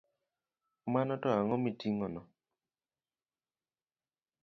Mano to ang’o miting'ono?